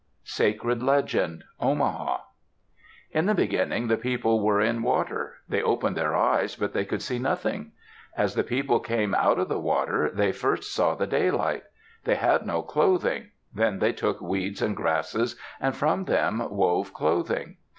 SACRED LEGEND Omaha In the beginning the people were in water. They opened their eyes, but they could see nothing. As the people came out of the water, they first saw the daylight. They had no clothing. Then they took weeds and grasses and from them wove clothing.